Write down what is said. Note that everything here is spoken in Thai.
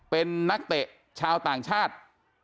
เป็นนักเตะชาวต่างชาติ